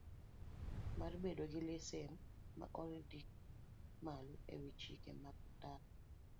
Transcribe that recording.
Mar bedo gi lesen ma ondik malo e wi chike mag ndara.